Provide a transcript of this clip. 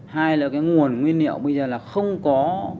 hai là cái nguồn nguyên liệu bây giờ là không có